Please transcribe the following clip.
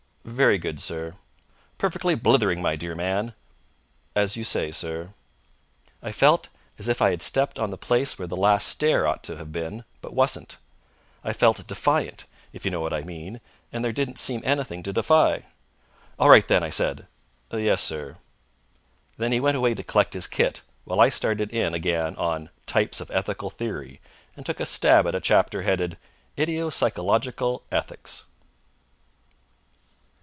"Very good, sir." "Perfectly blithering, my dear man!" "As you say, sir." I felt as if I had stepped on the place where the last stair ought to have been, but wasn't. I felt defiant, if you know what I mean, and there didn't seem anything to defy. "All right, then," I said. "Yes, sir." And then he went away to collect his kit, while I started in again on "Types of Ethical Theory" and took a stab at a chapter headed "Idiopsychological Ethics."